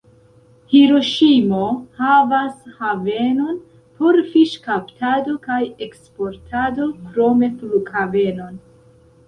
Hiroŝimo havas havenon por fiŝkaptado kaj eksportado, krome flughavenon.